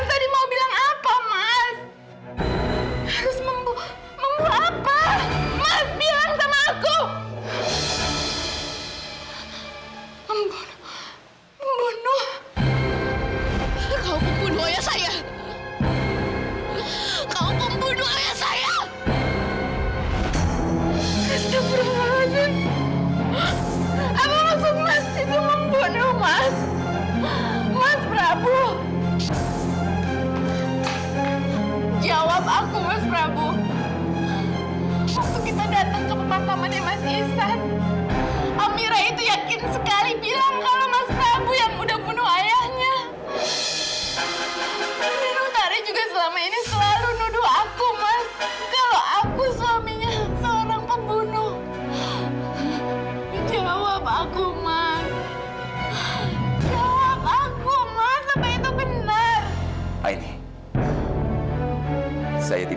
sampai jumpa di video selanjutnya